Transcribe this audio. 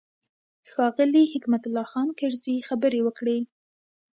ښاغلي حکمت الله خان کرزي خبرې وکړې.